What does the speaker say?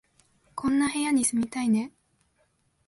こんな部屋に住みたいね